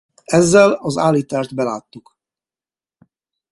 Ezzel az állítást beláttuk.